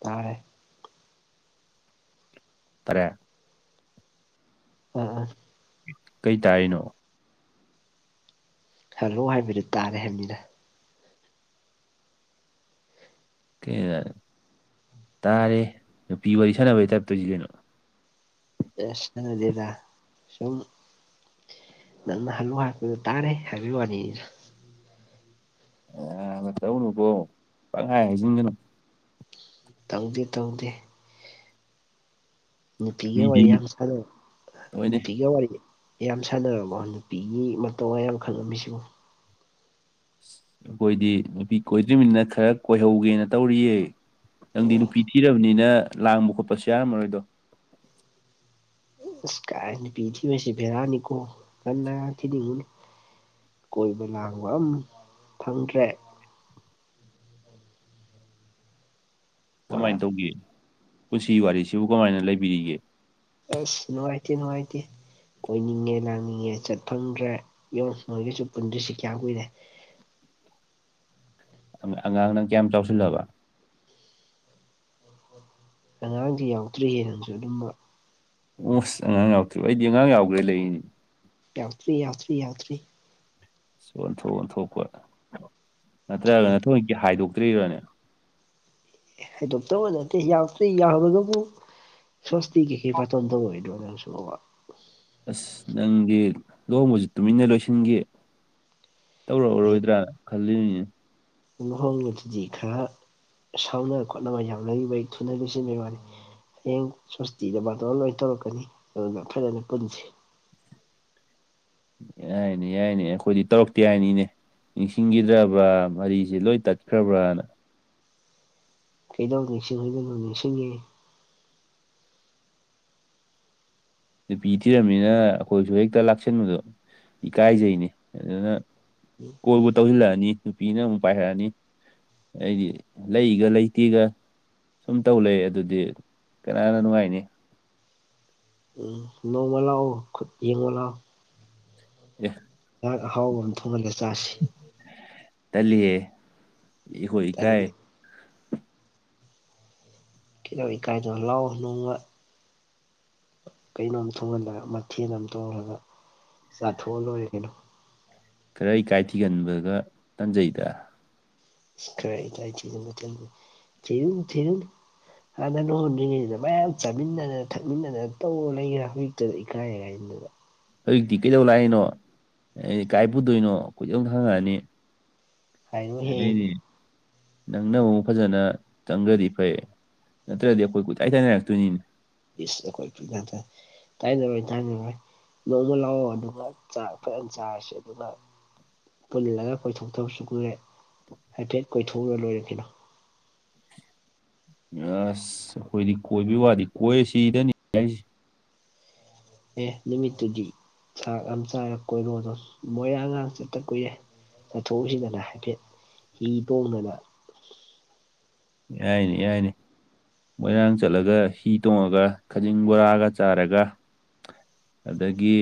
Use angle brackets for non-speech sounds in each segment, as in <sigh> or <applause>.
ꯇꯥꯔꯦ ꯇꯥꯔꯦ ꯎꯝ ꯎꯝ ꯀꯩ ꯇꯥꯏꯔꯤꯅꯣ ꯍꯜꯂꯣ ꯍꯥꯏꯕꯗꯨ ꯇꯥꯔꯦ ꯍꯥꯏꯕꯅꯤꯅ ꯀꯩꯅ ꯇꯥꯔꯦ ꯅꯨꯄꯤ ꯋꯥꯔꯤ ꯁꯥꯟꯅꯕꯩ ꯇꯥꯏꯞꯇꯁꯤ ꯀꯩꯅꯣ ꯑꯦꯁꯗꯗ ꯁꯨꯝ ꯅ ꯍꯜꯂꯨ ꯍꯥ ꯇꯥꯔꯦ ꯍꯥꯏꯕꯤ ꯋꯥꯅꯤ ꯑ ꯅꯠꯇꯧꯅꯨꯕꯣ ꯄꯪꯉꯥꯏ ꯍꯥꯏꯁꯤꯟꯗꯅ ꯇꯧꯗꯦ ꯇꯧꯗꯦ ꯅꯨꯄꯤꯒ ꯃꯤꯗꯤ ꯋꯥꯔꯤ ꯌꯥꯝ ꯁꯥꯟꯅꯕ ꯍꯣꯏꯅꯦ ꯅꯨꯄꯤꯒꯤ ꯋꯥꯔꯤ ꯌꯥꯝ ꯁꯥꯟꯅꯔꯕꯣ ꯅꯨꯄꯤꯒꯤ ꯃꯇꯧ ꯃꯌꯥꯝ ꯈꯪꯉꯝꯃꯤꯁꯤꯕꯨ ꯑꯩꯈꯣꯏꯗꯤ ꯅꯨꯄꯤ ꯀꯣꯏꯗ꯭ꯔꯤꯕꯃꯤꯅꯤꯅ ꯈꯔ ꯀꯣꯏꯍꯧꯒꯦꯅ ꯇꯧꯔꯤꯌꯦ ꯅꯪꯗꯤ ꯑꯣ ꯅꯨꯄꯤ ꯊꯤꯔꯕꯅꯤꯅ ꯂꯥꯡꯕ ꯈꯣꯠꯄꯁꯨ ꯌꯥꯔꯝꯃꯔꯣꯏꯗꯣ ꯑꯁ ꯀꯥꯏꯅ ꯄꯤꯊꯁꯤ ꯐꯦꯔꯥꯑꯅꯤꯀꯣ ꯀ ꯊꯤꯅꯤꯡꯉꯅꯤ ꯀꯣꯏꯕ ꯂꯥꯡꯕ ꯑꯃ ꯐꯪꯗ꯭ꯔꯦ ꯄꯨꯔꯥ ꯀꯃꯥꯏꯅ ꯇꯧꯒꯦ ꯄꯨꯟꯁꯤ ꯋꯥꯔꯤꯁꯤꯕꯨ ꯀꯃꯥꯏꯅ ꯂꯩꯕꯤꯔꯤꯒꯦ ꯑꯁ ꯅꯨꯡꯉꯥꯏꯇ ꯅꯨꯡꯉꯥꯏꯇ ꯀꯣꯏꯅꯤꯡꯉꯦ ꯂꯥꯡꯅꯤꯡꯉꯦ ꯆꯠ ꯐꯪꯗ꯭ꯔꯦ ꯌ ꯃꯣꯏꯒꯤꯁꯨ ꯄꯨꯟꯗ꯭ꯔꯤꯁꯤ ꯀꯌꯥꯝ ꯀꯨꯏꯔꯦ ꯑꯉꯥꯡ ꯅꯪ ꯀꯌꯥꯝ ꯆꯥꯎꯁꯤꯜꯂꯕ ꯑꯉꯥꯡꯗꯤ ꯌꯥꯎꯗ꯭ꯔꯤ ꯍꯦꯅꯁꯨ ꯑꯗꯨꯝꯕ ꯑꯣꯃꯣꯁ ꯑꯉꯥꯡ ꯌꯥꯎꯗ꯭ꯔꯤꯕ ꯑꯩꯗꯤ ꯑꯉꯥꯡ ꯌꯥꯎꯗ꯭ꯔꯦ ꯂꯩꯔꯤꯅꯤ ꯌꯥꯎ ꯊ꯭ꯔꯤ ꯌꯥꯎ ꯊ꯭ꯔꯤ ꯌꯥꯎ ꯊ꯭ꯔꯤ ꯑꯣꯟꯊꯣꯛ ꯑꯣꯟꯊꯣꯛꯄ ꯅꯠꯇ꯭ꯔꯒ ꯅ ꯊꯣꯏꯖꯤꯛꯇꯤ ꯍꯥꯏꯗꯣꯛꯇ꯭ꯔꯤꯕꯅꯦ ꯍꯥꯏꯗꯣꯛꯞꯇꯧꯕ ꯅꯠꯇꯦ ꯌꯥꯎꯛꯇ ꯌꯥꯎꯔꯒꯕꯨ ꯁ꯭ꯋꯥꯁꯇꯤ ꯀꯦ ꯄ ꯆꯣꯟꯗꯧꯕ ꯑꯣꯏꯗꯁꯨ ꯑꯁ ꯅꯪꯗꯤ ꯂꯨꯍꯣꯡꯕꯁꯨ ꯇꯨꯃꯤꯟꯅ ꯂꯣꯏꯁꯤꯟꯈꯤ ꯇꯧꯔꯛꯑꯔꯣꯏꯗ꯭ꯔꯥ ꯈꯜꯂꯤꯅꯦ ꯂꯨꯍꯣꯡꯕꯁꯤꯗꯤ ꯈꯔ ꯁꯥꯎꯅ ꯈꯣꯠꯅꯕ ꯌꯥꯎꯅꯔꯤꯕ ꯑꯩ ꯊꯨꯅꯔꯤꯕꯁꯤꯕ ꯋꯥꯅꯤ ꯍꯌꯦꯡ ꯁꯁꯇꯤꯗꯕꯥꯗ ꯂꯣꯏ ꯇꯧꯔꯛꯀꯅꯤ ꯑꯗꯨꯅ ꯐꯖꯅ ꯄꯨꯟꯁꯤ ꯌꯥꯏꯅꯦ ꯌꯥꯏꯅꯦ ꯑꯩꯈꯣꯏꯗꯤ ꯇꯧꯔꯛꯇꯦ ꯍꯥꯏꯏꯅꯤ ꯏꯅꯦ ꯅꯤꯡꯁꯤꯡꯈꯤꯗ꯭ꯔꯕ꯭ꯔꯥ ꯃꯔꯤꯁꯤ ꯂꯣꯏ ꯇꯠꯈ꯭ꯔꯕ꯭ꯔꯅ ꯀꯩꯗꯧ ꯅꯤꯡꯁꯤꯡ ꯍꯒꯗꯅꯣ ꯅꯤꯡꯁꯤꯡꯉꯦ ꯅꯨꯄꯤ ꯊꯤꯔꯝꯃꯤꯅ ꯑꯩꯈꯣꯏꯁꯨ ꯍꯦꯛꯇ ꯂꯥꯛꯁꯟꯕꯗꯣ ꯏꯀꯥꯏꯖꯩꯅꯤ ꯑꯗꯨꯅ ꯎꯝ <unintelligible> ꯀꯣꯏꯕꯨ ꯇꯧꯁꯤꯜꯂꯛꯑꯅꯤ ꯅꯨꯄꯤꯅ ꯑꯃꯨꯛ ꯄꯥꯏꯈꯔꯛꯑꯅꯤ ꯑꯩꯗꯤ ꯂꯩꯒ ꯂꯩꯇꯦꯒ ꯁꯨꯝ ꯇꯧ ꯂꯩ ꯑꯗꯨꯗꯤ ꯀꯅꯥꯅ ꯅꯨꯡꯉꯥꯏꯅꯤ ꯎ ꯅꯣꯡꯃ ꯂꯥꯛꯑꯣ ꯈꯨꯠ ꯌꯦꯡꯉꯣ ꯂꯥꯎ ꯌꯦ ꯉꯍꯥꯛ ꯑꯍꯥꯎꯕ ꯑꯃ ꯊꯣꯡꯍꯜꯂꯒ ꯆꯥꯁꯤ ꯇꯂꯤꯑꯦ ꯑꯩꯈꯣꯏ ꯏꯀꯥꯏ ꯇꯜꯂꯤ ꯀꯤ ꯏꯀꯥꯏꯗꯣ ꯂꯥꯛꯑꯣ ꯅꯣꯡꯕ ꯀꯩꯅꯣꯝ ꯊꯣꯡꯍꯜꯂꯒ ꯃꯊꯦꯜ ꯑꯃ ꯇꯣꯡꯉꯒ ꯆꯥꯊꯣꯛꯑ ꯂꯣꯏꯔ ꯀꯩꯅꯣ ꯈꯔ ꯏꯀꯥꯏ ꯊꯤꯒꯟꯕꯒ ꯇꯟꯖꯩꯗ ꯀꯥꯏ ꯀꯥꯏ ꯆ ꯊꯨ ꯊꯨ ꯍꯥꯟꯅ ꯂꯨ ꯍꯣꯟꯗ꯭ꯔꯤꯉꯩꯁꯤꯗ ꯃꯌꯥꯝ ꯆꯥꯃꯤꯟꯅꯗꯅ ꯊꯛꯃꯤꯟꯅꯗꯅ ꯇꯧꯔ ꯂꯩꯈ꯭ꯔꯦ ꯍꯧꯖꯤꯛꯇꯨꯗ ꯏꯀꯥꯏꯀꯥꯏꯁꯤꯗꯨꯗ ꯍꯧꯖꯤꯛꯇꯤ ꯀꯩꯗꯧ ꯂꯥꯛꯏꯅꯣ ꯀꯥꯏ ꯄꯨꯗꯣꯏꯅꯣ ꯀꯗꯪ ꯈꯪꯉꯛꯑꯅꯤ ꯍꯥꯏꯔꯣꯏꯍꯦ ꯑꯩꯅꯤ ꯅꯪꯅꯕ ꯑꯃꯛ ꯐꯖꯅ ꯆꯪꯈ꯭ꯔꯗꯤ ꯐꯩ ꯅꯠꯇ꯭ꯔꯗꯤ ꯑꯩꯈꯣꯏ ꯀꯣꯏꯇꯥꯏ ꯇꯥꯏꯅꯔꯛꯇꯣꯏꯅꯤꯅꯤ ꯏꯁꯁ ꯀꯣꯏ ꯅ ꯇꯥꯏꯅꯔꯩ ꯇꯥꯏꯅꯔꯩ ꯂꯣꯏꯗ ꯂꯥꯛꯑꯣ ꯑꯗꯨꯒꯥꯛ ꯐꯖꯅ ꯆꯥꯔꯁꯤ ꯑꯗꯨꯒ ꯄꯨꯜꯂꯒ ꯀꯣꯏꯊꯣꯛꯇꯕꯁꯨ ꯀꯨꯔꯦ ꯍꯥꯏꯐꯦꯠ ꯀꯣꯏꯊꯣꯛꯎꯔ ꯂꯣꯏꯔꯛꯈꯤꯅꯣ ꯑꯁ ꯑꯩꯈꯣꯏꯗꯤ ꯀꯣꯏꯕꯒꯤ ꯋꯥꯗꯤ ꯀꯣꯏꯔ ꯁꯤꯗꯅꯤ ꯍꯥꯏꯁꯦ ꯑꯦ ꯅꯨꯃꯤꯠꯇꯨꯗꯤ ꯊꯥꯛ ꯌꯥꯝ ꯆꯥꯏꯔꯒ ꯀꯣꯏꯔꯣꯗ ꯃꯣꯏꯔꯥꯡꯉꯥꯡ ꯆꯠꯇ ꯀꯨꯏꯔꯦ ꯆꯠꯊꯣꯛꯁꯤꯗꯅ ꯍꯥꯏꯐꯦꯠ ꯍꯤ ꯇꯣꯡꯗꯅ ꯌꯥꯏꯅꯦ ꯌꯥꯏꯅꯤ ꯃꯣꯏꯔꯥꯡ ꯆꯠꯂꯒ ꯍꯤ ꯇꯣꯡꯉꯒ ꯈꯖꯤꯡ ꯕꯣꯔꯥꯒ ꯆꯥꯔꯒ ꯑꯗꯒꯤ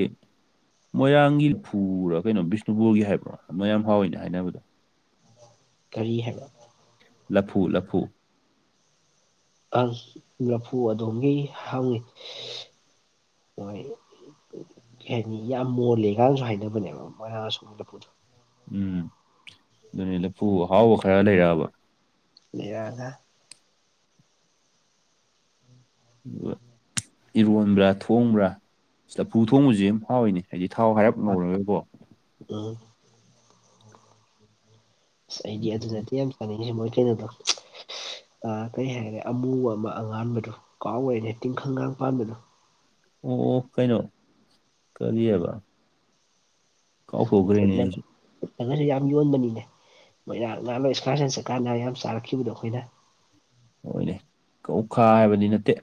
ꯃꯣꯏꯔꯥꯡꯒꯤ ꯐꯨꯔꯥ ꯀꯩꯅꯣ ꯕꯤꯁꯅꯨꯄꯨꯔꯒꯤ ꯍꯥꯏꯕ꯭ꯔꯣ ꯃꯣꯏꯌꯥꯝ ꯍꯥꯎꯏꯅꯦ ꯍꯥꯏꯅꯕꯗ ꯀꯔꯤ ꯍꯥꯏꯕ ꯂꯐꯨ ꯂꯐꯨ ꯑꯁ ꯂꯐꯨ ꯑꯗꯣꯝꯒꯤ ꯍꯪꯉꯤ ꯍꯣꯏ ꯀꯩ ꯍꯥꯏꯅꯤ ꯌꯥꯝ ꯃꯣꯜꯂꯦꯀꯅꯁꯨ ꯍꯥꯏꯅꯕꯅꯦꯕ ꯃꯣꯏꯥꯡ ꯁꯣ ꯂꯨ <unintelligible> ꯎꯝ ꯑꯗꯨꯅꯤ ꯂꯐꯨ ꯑꯍꯥꯎꯕ ꯈꯔ ꯂꯩꯔꯛꯑꯕ ꯂꯩ ꯌꯥꯒ ꯑꯗꯨꯒ ꯏꯔꯣꯟꯕ꯭ꯔꯥ ꯊꯣꯡꯕ꯭ꯔꯥ ꯆꯐꯨ ꯊꯣꯡꯕꯁꯤ ꯌꯥꯝ ꯍꯥꯎꯋꯤꯅꯦ ꯍꯥꯏꯗꯤ ꯊꯥꯎ ꯍꯥꯏꯔꯞ ꯉꯧꯔꯣꯏꯕꯣ ꯎ ꯑꯁ ꯑꯩꯗꯤ ꯑꯗꯨꯅꯗꯤ ꯌꯥꯝ ꯄꯥꯅꯤꯡꯉꯦ ꯃꯣꯏ ꯀꯩꯅꯣꯗꯣ ꯀꯩ ꯍꯥꯏꯔꯦ ꯑꯃꯨꯕ ꯑꯃ ꯑꯉꯥꯟꯕꯗꯨꯣ ꯀꯥꯎꯈꯦꯅꯦ ꯇꯤꯡꯈꯪꯒ ꯄꯥꯟꯕꯗꯨꯣ ꯑꯣ ꯀꯩꯅꯣ ꯀꯔꯤꯑꯕ ꯀꯥꯎꯊꯣꯛꯈꯔ꯭ꯦꯅꯦ ꯑꯩꯁꯨ ꯠꯒꯁꯨ ꯌꯥꯝ ꯌꯣꯟꯕꯅꯤꯅꯦ ꯃꯣꯏꯔꯥꯡ ꯉꯥꯡꯂ ꯏꯁꯀꯥꯔ ꯁꯟ ꯆꯠꯀꯥꯟꯗ ꯌꯥꯝ ꯆꯥꯔꯛꯈꯤꯕꯗꯣ ꯑꯩꯈꯣꯏꯅ ꯍꯣꯏꯅꯦ ꯀꯧꯈꯥ ꯍꯥꯏꯕꯗꯤ ꯅꯠꯇꯦ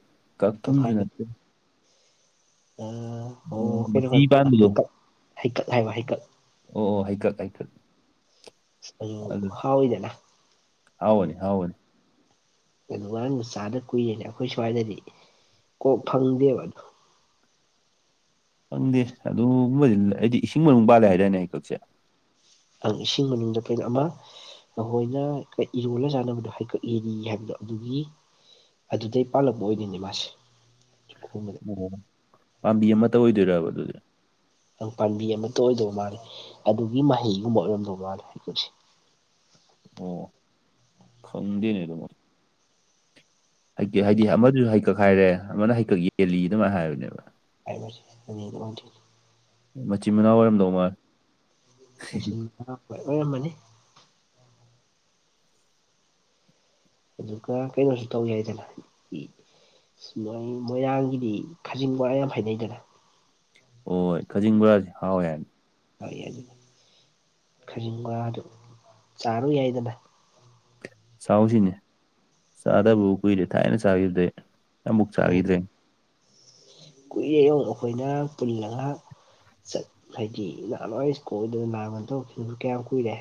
<unintelligible> ꯀꯛꯊꯨꯝꯁꯨ ꯅꯠꯇꯦ ꯃꯆꯤ ꯄꯥꯟꯕꯗꯣ ꯍꯩꯀꯠ ꯍꯥꯏꯕ ꯍꯩꯀꯠ ꯑꯣ ꯑꯣ ꯍꯥꯏꯀꯠ ꯍꯥꯏꯀꯠ ꯑꯗꯨ ꯍꯥꯎꯏꯗꯅ ꯍꯥꯎꯅꯦ ꯍꯥꯎꯅꯦ ꯑꯗꯨ ꯉꯔꯥꯡꯅ ꯆꯥꯗ ꯀꯨꯏꯔꯦꯅꯦ ꯑꯩꯈꯣꯏ ꯁ꯭ꯋꯥꯏꯗꯗꯤ ꯀꯣꯛ ꯐꯪꯗꯦꯕ ꯑꯣ ꯈꯪꯗꯦ ꯑꯗꯨꯒꯨꯝꯕꯗꯤ ꯑꯩꯗꯤ ꯏꯁꯤꯡ ꯃꯅꯨꯡ ꯄꯥꯜꯂꯦ ꯍꯥꯏꯗꯥꯏꯅꯦ ꯑꯩꯀꯛꯁꯦ ꯑ ꯏꯁꯤꯡ ꯃꯅꯨꯡꯗ ꯑꯩꯈꯣꯏꯅ ꯑꯃ ꯅꯈꯣꯏꯅ ꯏꯔꯣꯜꯂ ꯆꯥꯟꯅꯕꯗꯣ ꯍꯩꯀꯛꯑꯔꯤ ꯍꯥꯏꯕꯗꯣ ꯑꯗꯨꯒꯤ ꯑꯗꯨꯗꯩ ꯄꯥꯜꯂꯛꯄ ꯑꯣꯏꯗꯣꯏꯅꯤ ꯃꯥꯁꯦ ꯄꯥꯝꯕꯤ ꯑꯃꯠꯇ ꯑꯣꯏꯗꯣꯏ ꯑꯗꯨꯗꯤ ꯑꯗꯨ ꯄꯥꯝꯕꯤ ꯑꯃꯇ ꯑꯣꯏꯗꯧꯕ ꯃꯥꯜꯂꯦ ꯑꯗꯨꯒꯤ ꯃꯍꯩꯒꯨꯝꯕ ꯑꯣꯏꯔꯝꯗꯧꯕ ꯃꯥꯜꯂꯦ ꯍꯩꯀꯨꯠꯁꯦ ꯑꯣ ꯈꯪꯗꯦꯅꯦ ꯑꯗꯨꯕꯨ ꯍꯥꯏ ꯍꯥꯏꯗꯤ ꯑꯃꯗꯨꯁꯨ ꯍꯩꯀꯛ ꯍꯥꯏꯔꯦ ꯑꯃꯅ ꯍꯩꯀꯛ ꯌꯦꯜꯂꯤ ꯑꯗꯨꯃꯥꯏꯅ ꯍꯥꯏꯕꯅꯦꯕ꯫ <unintelligible> ꯃꯆꯤꯟ- ꯃꯅꯥꯎ ꯑꯣꯏꯔꯝꯗꯧ ꯃꯥꯜꯂꯤ꯫ <unintelligible> ꯑꯣꯏꯔꯝꯃꯅꯤ ꯑꯗꯨꯒ ꯀꯩꯅꯣꯁꯨ ꯇꯧ ꯌꯥꯏꯗꯅ ꯏ ꯃꯣꯏ ꯃꯣꯏꯔꯥꯡꯒꯤꯗꯤ ꯈꯥꯖꯤꯡ ꯕꯣꯔꯥ ꯌꯥꯝ ꯍꯥꯏꯅꯩꯗꯅ꯫ ꯍꯣꯏ ꯈꯖꯤꯡ ꯕꯣꯔꯥꯁꯤ ꯍꯥꯎꯋꯦ ꯍꯥꯏ꯫ ꯍꯣꯏ ꯑꯗꯨꯗꯤ ꯈꯖꯤꯡꯒ ꯑꯗꯨ ꯆꯥꯔꯨ ꯌꯥꯏꯗꯅ ꯆꯥꯛꯁꯤꯅꯦ ꯆꯥꯗꯕ ꯀꯨꯏꯔꯦ ꯊꯥꯏꯅ ꯆꯥꯈꯤꯗ꯭ꯔꯦ ꯑꯃꯨꯛ ꯆꯥꯈꯤꯗ꯭ꯔꯦ ꯀꯨꯏꯌꯣ ꯑꯩꯈꯣꯏꯅ ꯄꯨꯜꯂꯒ ꯆꯠ ꯍꯥꯏꯗꯤ ꯅꯍꯥꯟꯋꯥꯏ ꯁ꯭ꯀꯣꯜꯗꯅ ꯅꯍꯒꯣꯟ ꯇꯧꯈꯤꯕꯗꯨ ꯀꯌꯥꯝ ꯀꯨꯏꯔꯦ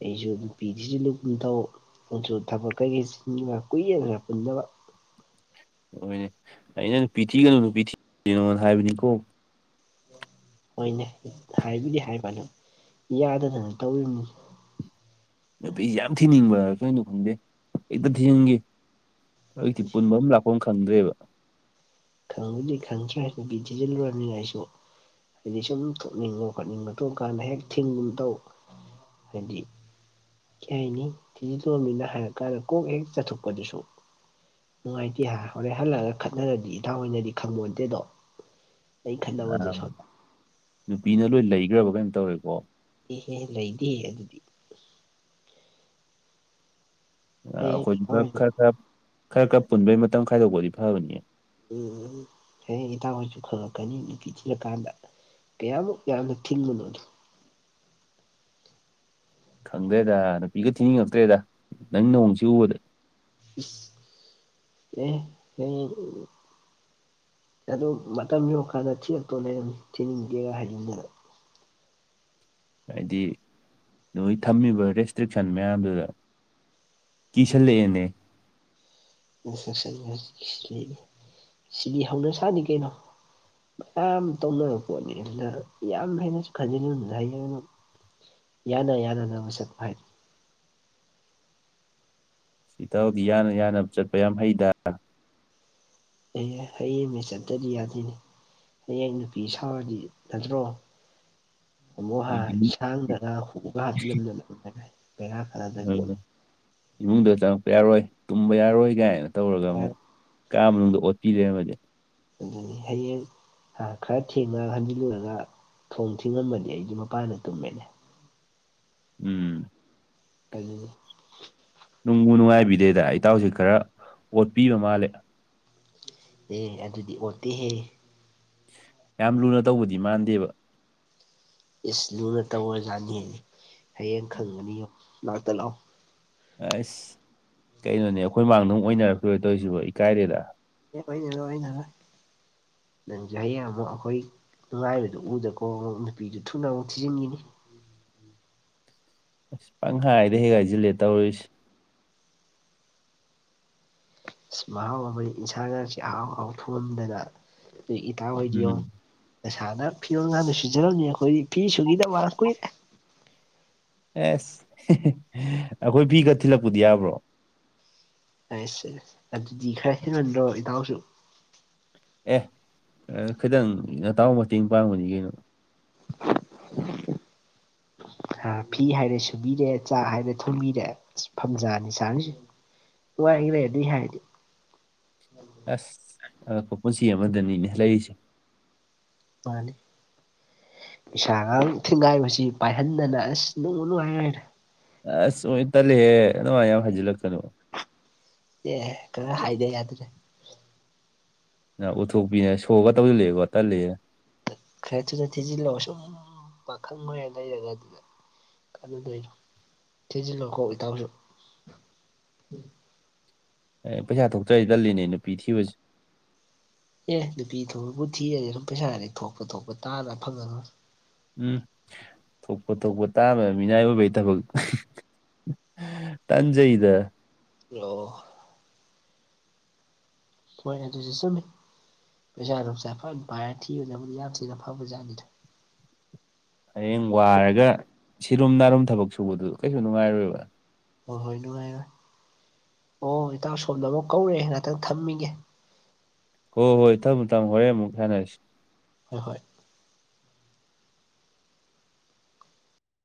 ꯑꯩꯁꯨ ꯅꯨꯄꯤꯁꯤ ꯂ ꯅꯤꯡꯊꯧ <unintelligible> ꯑꯗꯨ ꯊꯕꯛ ꯀꯩꯀꯩ ꯁꯤꯟꯒ ꯀꯨꯏꯌꯦꯗꯅ ꯄꯨꯟꯟꯅꯕ ꯍꯣꯏꯅꯦ ꯑꯩꯅ ꯅꯨꯄꯤ ꯊꯤꯒꯅꯨ ꯅꯨꯄꯤ ꯊꯤꯔꯤꯅꯣꯅ ꯍꯥꯏꯕꯅꯤꯀꯣ ꯍꯣꯏꯅꯦ ꯍꯥꯏꯕꯨꯗꯤ ꯍꯥꯏꯕ ꯑꯗꯨꯝ ꯌꯥꯗꯗꯅ ꯇꯧꯅꯤ ꯅꯨꯄꯤꯁꯤ ꯌꯥꯝ ꯊꯤꯅꯤꯡꯕꯔ ꯀꯩꯅꯣ ꯈꯪꯗꯦ ꯍꯦꯛꯇ ꯊꯤꯖꯤꯟꯈꯤ ꯍꯧꯖꯤꯛꯇꯤ ꯄꯨꯟꯕꯝ ꯂꯥꯛ ꯄꯝ ꯈꯪꯗ꯭ꯔꯦꯕ ꯈꯪꯕꯗꯤ ꯈꯪꯗ꯭ꯔꯦ ꯅꯨꯄꯤ ꯊꯤꯖꯤꯜꯂꯨꯔꯝꯅꯤꯅ ꯑꯩꯁꯨ꯫ ꯍꯥꯏꯗꯤ ꯁꯨꯝ ꯊꯣꯛꯅꯤꯡꯕ ꯈꯣꯠꯅꯤꯡꯕ ꯇꯧ ꯀꯥꯟꯗ ꯍꯦꯛ ꯊꯤꯡꯒꯨꯝ ꯇꯧ ꯍꯥꯏꯗꯤ ꯀꯩ ꯍꯥꯏꯅꯤ ꯊꯤꯖꯤꯜꯂꯨꯔꯝꯅꯤꯅ ꯍꯥꯏꯔꯛ ꯀꯥꯟꯗ ꯀꯣꯛ ꯍꯦꯛ ꯆꯠꯊꯣꯛꯄꯗꯨꯁꯨ ꯅꯨꯡꯉꯥꯏꯇꯦ ꯍꯥ ꯍꯣꯔꯦꯟ ꯍꯜꯂꯒ ꯈꯠꯅꯔꯗꯤ ꯏꯇꯥꯎ ꯍꯣꯏꯅꯗꯤ ꯈꯪꯕꯣꯟꯇꯦꯗꯣ ꯑꯩ ꯈꯠꯅꯕꯗꯨ ꯑ, ꯁꯣꯝꯗ꯫ ꯅꯨꯄꯤꯅ ꯂꯣꯏ ꯂꯩꯒ꯭ꯔꯕ ꯀꯩꯅꯣꯝ ꯇꯧꯔꯦꯀꯣ ꯏꯍꯦ! ꯂꯩꯗꯦꯍꯦ ꯑꯗꯨꯗꯤ꯫ ꯍꯌꯦꯡ ꯑꯩꯈꯣꯏꯁꯨ ꯏꯇꯥꯎ ꯈꯔ ꯍꯣꯏꯁꯨ ꯈꯔ ꯈꯔ ꯈꯔ ꯄꯨꯟꯕꯩ ꯃꯇꯝ ꯈꯥꯏꯗꯣꯛꯄꯗꯤ ꯐꯕꯅꯤꯌꯦ꯫ ꯎꯝ ꯍꯌꯦꯡ ꯏꯇꯥꯎ ꯍꯣꯏꯁꯨ ꯈꯪꯉꯛꯀꯅꯤ ꯅꯨꯄꯤ ꯊꯤꯔꯀꯥꯟꯗ꯫ ꯀꯌꯥꯃꯨꯛ ꯌꯥꯝꯅ ꯊꯤꯡꯕꯅꯣꯗꯣ꯫ ꯈꯪꯗ꯭ꯔꯦꯗ ꯅꯨꯄꯤꯒ ꯊꯤꯅꯤꯡꯉꯛꯇ꯭ꯔꯦꯗ ꯅꯪ ꯅꯥꯑꯣꯡꯁꯤ ꯎꯕꯗ꯫ <unintelligible> ꯑꯗ ꯃꯇꯝ ꯌꯧꯔꯀꯥꯟꯗ ꯊꯤꯂꯛꯇꯣ ꯂꯩꯔꯝꯅꯤ ꯊꯤꯅꯤꯡꯗꯦꯒ ꯍꯥꯏꯖꯤꯟꯗꯅ꯫ ꯍꯥꯏꯗꯤ ꯅꯣꯏ ꯊꯝꯃꯤꯕ ꯔꯦꯁꯇ꯭ꯔꯤꯛꯁꯟ ꯃꯌꯥꯝꯗꯨꯗ ꯀꯤꯁꯜꯂꯛꯑꯦꯅꯦ <unintelligible> ꯁꯤꯗꯤ ꯍꯧꯅ ꯁꯥꯅꯤ ꯀꯩꯅꯣ ꯃꯌꯥꯝ ꯇꯧꯅꯕ ꯄꯣꯠꯅꯤ ꯑꯗꯨꯅ ꯌꯥꯝ ꯍꯦꯟꯅꯁꯨ ꯈꯖꯤꯟꯂꯨꯅꯨ ꯍꯌꯦꯡ ꯌꯥꯅ ꯌꯥꯅꯅꯕ ꯆꯠꯄ ꯍꯥꯏ ꯏꯇꯥꯎꯗꯤ ꯌꯥꯅ - ꯌꯥꯅꯕ ꯆꯠꯄ ꯌꯥꯝ ꯍꯩꯗ꯫ ꯑꯩ ꯍꯩꯌꯦꯃꯤ ꯆꯠꯇꯗꯤ ꯌꯥꯗꯦꯅꯦ꯫ ꯍꯌꯦꯡ ꯅꯨꯄꯤ ꯁꯥꯎꯔꯗꯤ ꯅꯠꯇ꯭ꯔꯣ? ꯑ, <unintelligible> ꯎꯝ ꯄꯣꯠꯅꯤ ꯏꯃꯨꯡꯗ ꯆꯪꯉꯛꯄ ꯌꯥꯔꯣꯏ ꯇꯨꯝꯕ ꯌꯥꯔꯣꯏ ꯀꯥꯏꯅ ꯇꯧꯔꯒ ꯕꯦꯔꯥ ꯑꯃꯨꯛ ꯀꯥ ꯃꯅꯨꯡꯗ ꯑꯣꯠꯄꯤꯔꯦꯕ ꯑꯗꯨꯅꯤ ꯍꯌꯦꯡ ꯈꯔ ꯊꯦꯡꯅꯒ ꯍꯟꯖꯤꯜꯂꯨꯔꯒ ꯊꯣꯡ ꯊꯤꯡꯉꯝꯃꯗꯤ ꯑꯩꯗꯤ ꯃꯄꯥꯟꯗ ꯇꯨꯝꯃꯦꯅꯦ꯫ ꯎꯝ ꯑꯗꯨꯅꯤ ꯅꯨꯡꯕꯨꯨ ꯅꯨꯡꯉꯥꯏꯕꯤꯗꯦꯗ ꯏꯇꯥꯎꯁꯦ ꯈꯔ ꯑꯣꯠꯄꯤꯕ ꯃꯥꯜꯂꯤ꯫ ꯑꯦ ꯑꯗꯨꯗꯤ ꯑꯣꯠꯇꯦꯍꯦ ꯌꯥꯝ ꯂꯨꯅ ꯇꯧꯕꯗꯤ ꯃꯥꯟꯗꯦꯕ ꯏꯁ ꯂꯨꯅ ꯇꯧꯔꯖꯥꯠꯅꯤ ꯍꯌꯦꯡ ꯈꯪꯒꯅꯤ ꯉꯥꯛꯇ ꯂꯥꯛꯑꯣ ꯑꯁ ꯀꯩꯅꯣꯅꯦ ꯑꯩꯈꯣꯏ ꯃꯥꯡꯗꯧ ꯑꯣꯏꯅꯔꯛꯇꯣꯏ ꯇꯧꯔꯤꯁꯤꯕꯣ ꯏꯀꯥꯏꯗꯦꯗ ꯑꯦꯔꯔꯣꯏ ꯅꯪꯖꯩꯌꯦ ꯑꯃꯨꯛ ꯑꯩꯈꯣꯏ ꯅꯨꯡꯉꯥꯏꯕꯗꯨ ꯎꯗꯀꯣ ꯑꯃꯨꯛ ꯅꯨꯄꯤꯗꯨ ꯊꯨꯅ ꯑꯃꯨꯛ ꯊꯤꯖꯤꯟꯈꯤꯅꯤ ꯑꯁ ꯄꯪ ꯍꯥꯏꯥꯏꯗ ꯍꯦꯛꯒꯥꯏꯁꯤꯜꯂꯦ ꯇꯧꯔꯔꯤꯁꯁꯤ ꯃꯍꯥꯎ ꯑꯃꯗꯤ ꯏꯟꯁꯥꯡ ꯉ ꯆꯍꯥꯎ ꯍꯥꯎ ꯊꯣꯡꯍꯗꯅ ꯏꯇꯥ ꯑꯣꯏꯗꯌ ꯎꯝ ꯄꯩꯁꯥꯅ ꯐꯤꯔꯣꯟꯜ ꯀꯥꯟꯗ ꯁꯤꯨꯖꯔꯝꯅꯤ ꯑꯩꯈꯣꯏꯗꯤ ꯐꯤ ꯁꯨꯒꯤꯗ ꯀꯨꯏꯔꯦ ꯑꯦꯁ ꯑꯩꯈꯣꯏ ꯐꯤꯒ ꯊꯤꯜꯂꯛꯄꯗꯤ ꯌꯥꯕ꯭ꯔꯣ? ꯑꯁꯦ ꯑꯗꯨꯗꯤ ꯈꯔ ꯍꯦꯟꯃꯟꯗ꯭ꯔꯣ ꯏꯇꯎꯁꯨ? ꯑꯦ ꯈꯤꯇꯪ ꯅꯇꯥꯎ ꯃꯇꯦꯡ ꯄꯥꯡꯕꯅꯤ ꯀꯩꯅꯣ <unintelligible> ꯍꯥ ꯐꯤ ꯍꯥꯏꯔꯦ ꯁꯨꯕꯤꯔꯦ ꯆꯥꯛ ꯍꯥꯏꯔꯦ ꯊꯣꯡꯕꯤꯔꯦ ꯑꯁ ꯐꯝꯖꯥꯅꯤ ꯁꯥꯔꯤꯁꯦ꯫ <unintelligible> ꯑꯗꯨꯗꯤ ꯍꯥꯏꯗꯤ ꯑꯁ! ꯑꯉꯛꯄ ꯄꯨꯟꯁꯤ ꯑꯃꯗꯅꯤꯅꯦ ꯂꯩꯔꯤꯁꯦ꯫ ꯃꯥꯅꯤ ꯏꯁꯥꯒꯥꯡ ꯊꯤꯡꯒꯥꯏꯕꯁꯤ ꯄꯥꯏꯍꯟꯗꯅ ꯑꯁ ꯅꯨꯡꯕꯨ ꯅꯨꯡꯉꯥꯏꯔꯦꯗ꯫ ꯑꯁ ꯑꫭꯏ ꯇꯜꯂꯤꯍꯦ ꯑꯗꯨꯃꯥꯏ ꯌꯥꯝ ꯍꯖꯤꯜꯂꯛꯀꯅꯨ꯫ ꯑꯦ ꯀꯔ ꯍꯥꯏꯗ ꯌꯥꯗ꯭ꯔꯦ ꯅ ꯎꯠꯊꯣꯛꯄꯤꯅꯦ ꯁꯣꯒ ꯇꯧꯁꯤꯜꯂꯛꯑꯦꯀꫭ ꯇꯜꯂ‌ꯦꯑꯦ ꯈꯔ ꯊꯨꯅ ꯊꯤꯖꯤꯜꯂꫭ ꯁꯨꯝ ꯄꯥꯈꯪ ꯑꫭꯏꯔ ꯂꯩꯔꯒ ꯑꯗꯨꯗ ꯀꯅꯗꯣꯏꯅꯣ ꯊꯤꯟꯖꯤꯜꯂꯣꯈꯣ ꯏꯇꯥꯎꯁꯨ ꯑꯦ ꯄꯩꯁꯥ ꯊꯣꯛꯇꫪꯗꯤ ꯇꯜꯂꯤꯅꯦ ꯅꯨꯄꯤ ꯊꯤꯕꯁꯦ ꯑꯦ ꯅꯨꯄꯤ ꯊꫭꯕꯨ ꯊꯤꯔꯗꯤ ꯑꯗꯨꯝ ꯄꯩꯁꯥꯗꯤ ꯊꯣꯛꯄ ꯊꯣꯛꯄ ꯇꯥꯜꯂ ꯐꯪꯉꯒ ꯎꯝ ꯊꯣꯛꯄ ꯊꯣꯛꯄ ꯇꯥꯕ ꯃꯤꯅꯥꯏ ꯑꯣꯏꯕꯒꯤ ꯊꯕꯛ ꯇꯟꯖꯩꯗ ꯑꯣ ꯍꯣꯏ ꯑꯗꯨꯁꯨ ꯆꯨꯝꯃꯤ ꯄꯩꯁꯥ ꯅꯨꯡꯁ ꯐꯅ ꯄꯥꯏꯔ ꯊꯤꯕꯕꯨꯅꯤ ꯌꯥꯝ ꯊꯤꯅ ꯐꯕ ꯖꯥꯠꯅꯤꯗ ꯍꯌꯦꯡ ꯋꯥꯔꯒ ꯁꯤꯔꯨꯝ ꯅꯥꯔꯨꯝ ꯊꯕꯛ ꯁꯨꯕꯗꯨ ꯀꯩꯁꯨ ꯅꯨꯡꯉꯥꯏꯔꯣꯏꯕ ꯍꯣꯏ ꯍꯣꯏ ꯅꯨꯡꯉꯥꯏꯔꯦ ꯑꯣ ꯏꯇꯥꯎ ꯁꯣꯝꯗ ꯑꯃꯨꯛ ꯀꯧꯔꯦ ꯉꯛꯇꯪ ꯊꯝꯃꯤꯒꯦ ꯍꯣꯏ ꯍꯣꯏ ꯊꯝꯃꯣ ꯊꯝꯃꫭ ꯍꯣꯔꯦꯟ ꯑꯃꯨꯛ ꯁꯥꯟꯅꯔꯁꯤ ꯍꯣꯏ ꯍꯣꯏ